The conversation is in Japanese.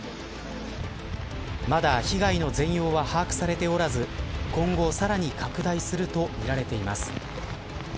まだ被害の全容は把握されておらず今後さらに拡大するとみられています。